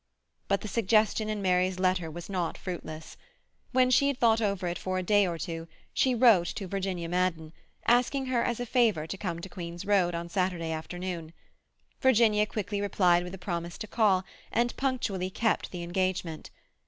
But the suggestion in Mary's letter was not fruitless. When she had thought over it for a day or two she wrote to Virginia Madden, asking her as a favour to come to Queen's Road on Saturday afternoon. Virginia quickly replied with a promise to call, and punctually kept the engagement.